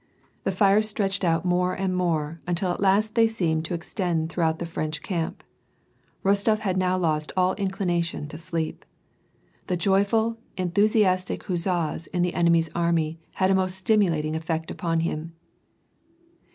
The fires stretched out more and more, until at last they seemed to ex tend throughout the French camp. Bostof had now lost all inclination to sleep. The joyful, enthusiastic huzzas in the enemy's army had a most stimulating effect upon him.